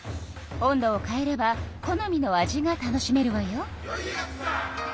温度を変えれば好みの味が楽しめるわよ。